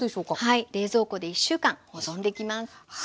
はい冷蔵庫で１週間保存できます。